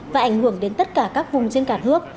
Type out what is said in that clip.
và ảnh hưởng đến tất cả các vùng trên cả nước